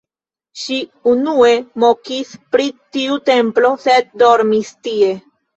Ŝi unue mokis pri tiu templo, sed dormis tie.